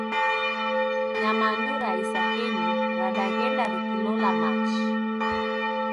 Nyamandu ra isakenyi radaghenda rikilola machi